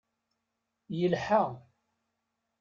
Yelḥa.